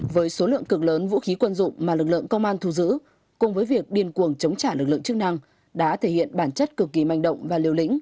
với số lượng cực lớn vũ khí quân dụng mà lực lượng công an thu giữ cùng với việc điên cuồng chống trả lực lượng chức năng đã thể hiện bản chất cực kỳ manh động và liều lĩnh